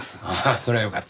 そりゃよかった。